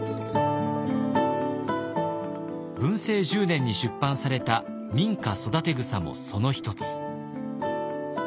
文政１０年に出版された「民家育草」もその一つ。